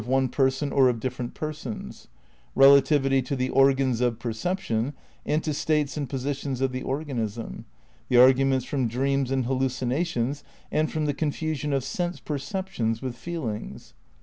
in THE CRITICAL PEEPARATIONS 53 person or of different persons ; relativity to the organs of perception and to states and positions of the organ ism; the arguments from dreams and hallucinations and from the confusion of sense perceptions with feel ings.